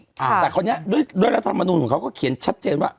แต่คนนี้ด้วยรัฐธรรมนุนของเขาก็เขียนชัดเจนว่า